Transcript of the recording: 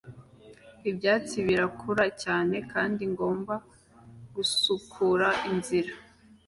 Ibyatsi birakura cyane kandi ngomba gusukura inzira